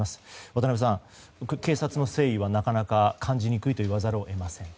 渡辺さん、警察の誠意はなかなか感じにくいと言わざるを得ません。